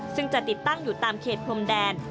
ซึ่งจะติดตั้งอยู่ตามเขตพรมแดน